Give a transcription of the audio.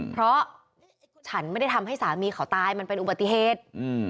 เพราะฉันไม่ได้ทำให้สามีเขาตายมันเป็นอุบัติเหตุ